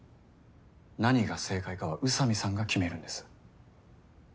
何が正解かは宇佐美さんが決めるんです。